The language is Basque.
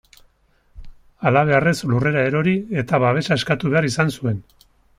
Halabeharrez lurrera erori eta babesa eskatu behar izan zuen.